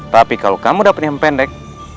tapi kalau kamu dapat yang pendek